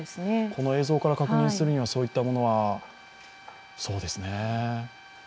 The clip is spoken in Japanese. この映像から確認するにはそのようなものはそうですね